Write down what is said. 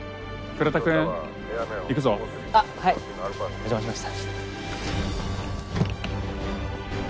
お邪魔しました。